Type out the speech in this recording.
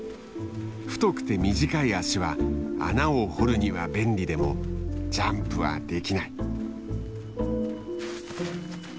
太くて短い脚は穴を掘るには便利でもジャンプはできない。